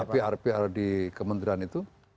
pr pr di kementerian itu